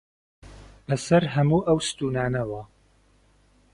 بەسەر هەموو ئەو ستوونانەوە